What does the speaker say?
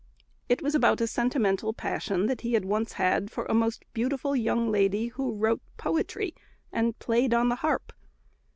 It was about a sentimental passion that he once had for a most beautiful young lady, who wrote poetry and played on the harp.